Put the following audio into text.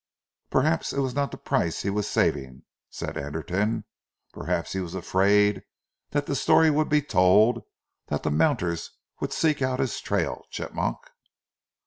"Perhaps it was not the price he was saving," said Anderton. "Perhaps he was afraid that the story would be told and that the mounters would seek out his trail, Chigmok?"